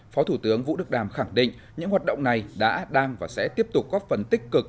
phó thủ tướng vũ đức đàm khẳng định những hoạt động này đã đang và sẽ tiếp tục góp phần tích cực